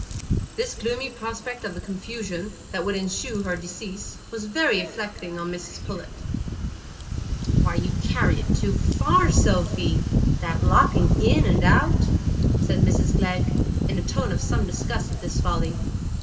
This gloomy prospect of the confusion that would ensue on her decease was very affecting to Mrs Pullet. "You carry it too far, Sophy,—that locking in and out," said Mrs Glegg, in a tone of some disgust at this folly.